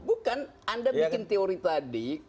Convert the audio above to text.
bukan anda bikin teori tadi